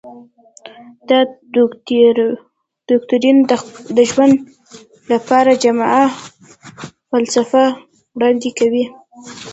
دا دوکتورین د ژوند لپاره جامعه فلسفه وړاندې کوي.